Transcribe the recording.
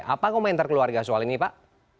apa komentar keluarga soal ini pak